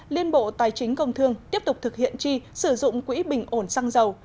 liên bộ tài chính công thương tiếp tục thực hiện chi sử dụng quỹ bình ổn xăng dầu